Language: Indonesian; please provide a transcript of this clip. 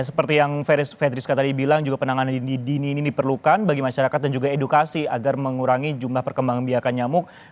seperti yang fedriska tadi bilang juga penanganan dini ini diperlukan bagi masyarakat dan juga edukasi agar mengurangi jumlah perkembangan biakan nyamuk